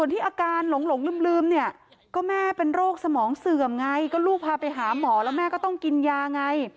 ที่อาการหลงลืมเนี่ยก็แม่เป็นโรคสมองเสื่อมไงก็ลูกพาไปหาหมอแล้วแม่ก็ต้องกินยาไง